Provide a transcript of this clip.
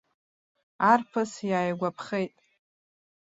Арԥыс иааигәаԥхеит.